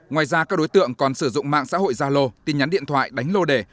ngoài ra các đối tượng còn sử dụng mạng xã hội gia lô tin nhắn điện thoại đánh lô đề